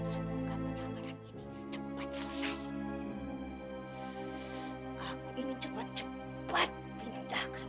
semoga penyamaran ini cepat selesai